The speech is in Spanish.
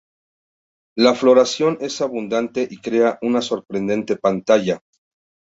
La floración es abundante y crea una sorprendente pantalla.